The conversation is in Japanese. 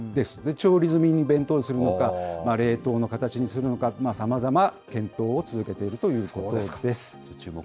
調理済み弁当にするのか、冷凍の形にするのか、さまざま検討を続けているということです。